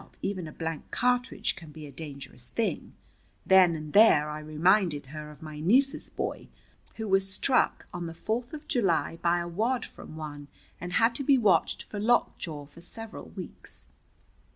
Well, even a blank cartridge can be a dangerous thing. Then and there I reminded her of my niece's boy, who was struck on the Fourth of July by a wad from one, and had to be watched for lockjaw for several weeks.